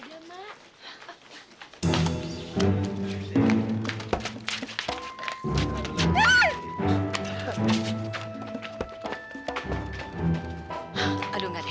aduh enggak deh aduh enggak deh